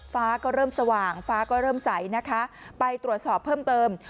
ฟ้าก็เริ่มสว่างฟ้าก็เริ่มใสนะคะไปตรวจสอบเพิ่มเติม